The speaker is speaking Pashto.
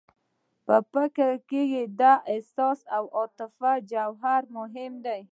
په فکر کې د احساس او عاطفې جوهر مهم دی